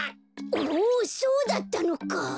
おそうだったのか！